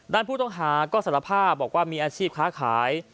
ด้านผู้ต้องหาก็สารภาพบอกว่ามีอาชีพค้าขาย